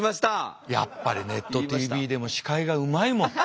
やっぱりネットＴＶでも司会がうまいもん。